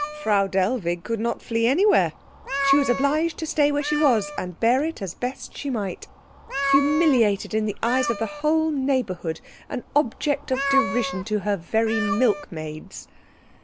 Frau Dellwig could not flee anywhere. She was obliged to stay where she was and bear it as best she might, humiliated in the eyes of the whole neighbourhood, an object of derision to her very milkmaids.